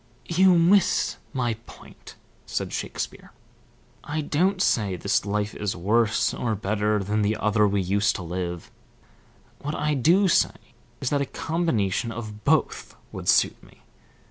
"You miss my point," said Shakespeare. "I don't say this life is worse or better than the other we used to live. What I do say is that a combination of both would suit me.